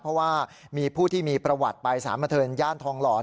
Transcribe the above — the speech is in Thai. เพราะว่ามีผู้ที่มีประวัติไปสารบันเทิงย่านทองหลอน